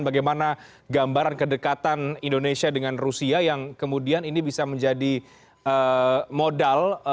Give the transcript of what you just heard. bagaimana gambaran kedekatan indonesia dengan rusia yang kemudian ini bisa menjadi modal